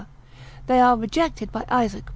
They are rejected by Isaac, lib.